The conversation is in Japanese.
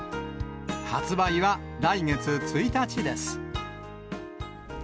発売は来月１日です。